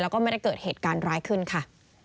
แล้วก็ไม่ได้เกิดเหตุการณ์ร้ายขึ้นค่ะ